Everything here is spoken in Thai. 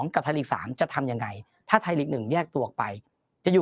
๒กับทัฬก๓จะทำยังไงถ้าไทยหลีกหนึ่งแยกตัวกไปจะอยู่